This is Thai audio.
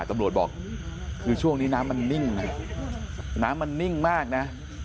ตำรวจบอกคือช่วงนี้น้ำมันนิ่งนะน้ำมันนิ่งมากนะ